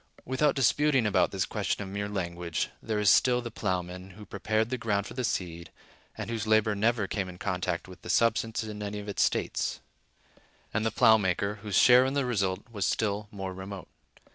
Without disputing about this question of mere language, there is still the plowman, who prepared the ground for the seed, and whose labor never came in contact with the substance in any of its states; and the plow maker, whose share in the result was still more remote.